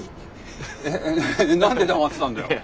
何で黙ってたんだよ。